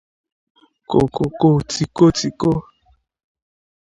Kókó kókó tìkó tìkó